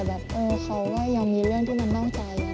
แล้ววันนี้แบบไม่โวยวายเจ๋งดัง